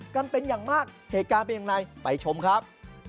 กันเป็นอย่างมากเหตุการณ์เป็นอย่างไรไปชมครับ